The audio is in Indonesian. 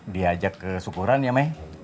diajak kesyukuran ya me